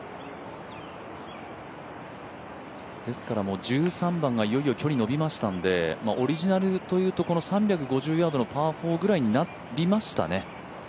ですから１３番がいよいよ距離伸びましたのでオリジナルというと３５０ヤードのパー４ぐらいになりましたね。